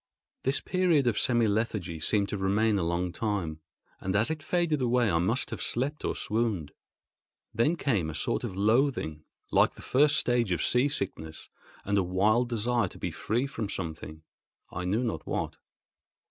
This period of semi lethargy seemed to remain a long time, and as it faded away I must have slept or swooned. Then came a sort of loathing, like the first stage of sea sickness, and a wild desire to be free from something—I knew not what.